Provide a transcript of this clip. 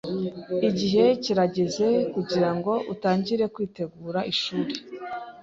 Igihe kirageze kugirango utangire kwitegura ishuri.